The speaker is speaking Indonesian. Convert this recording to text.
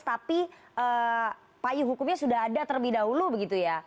tapi payung hukumnya sudah ada terlebih dahulu begitu ya